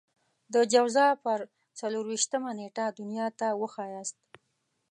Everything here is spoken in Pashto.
د جوزا پر څلور وېشتمه نېټه دنيا ته وښاياست.